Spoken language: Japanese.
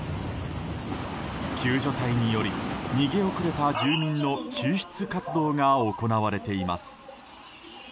救助隊により逃げ遅れた住民の救出活動が行われています。